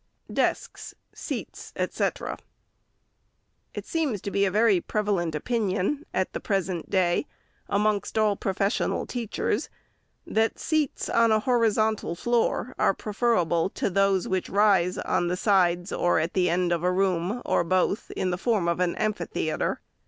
DESKS, SEATS, &c. It seems to be a very prevalent opinion, at the present day, amongst all professional teachers, that seats on a horizontal floor are preferable to those which rise on the sides or at the end of a room, or both, in the form of an amphitheatre.